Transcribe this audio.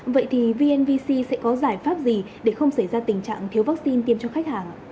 vậy thì vnvc sẽ có giải pháp gì để không xảy ra tình trạng thiếu vaccine tiêm cho khách hàng